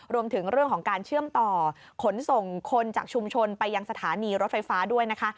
รวมถึงเรื่องของการเชื่อมต่อขนส่งคนจากชุมชนไปยังสถานีรถไฟฟ้าด้วยนะคะ